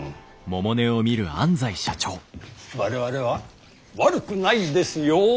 我々は悪くないですよ！